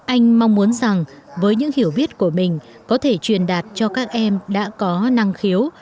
anh mong muốn rằng với những hiểu biết của mình có thể truyền đạt cho các em đã có năng khiếu